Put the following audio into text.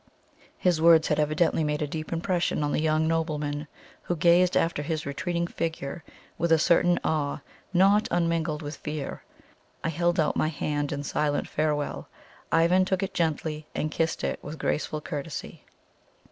His words had evidently made a deep impression on the young nobleman, who gazed after his retreating figure with a certain awe not unmingled with fear. I held out my hand in silent farewell. Ivan took it gently, and kissed it with graceful courtesy.